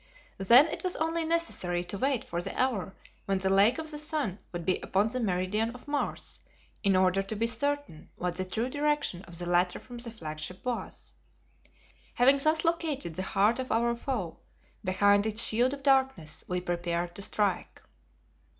Then it was only necessary to wait for the hour when the Lake of the Sun would be upon the meridian of Mars in order to be certain what the true direction of the latter from the flagship was. Having thus located the heart of our foe behind its shield of darkness, we prepared to strike.